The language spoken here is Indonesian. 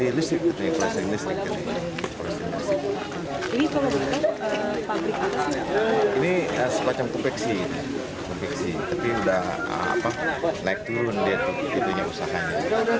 ini sebuah pabrik konveksi tapi sudah naik turun usahanya